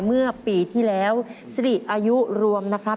เมื่อปีที่แล้วสิริอายุรวมนะครับ